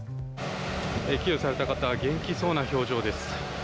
救助された方は元気そうな表情です。